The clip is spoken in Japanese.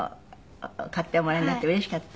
買っておもらいになってうれしかった？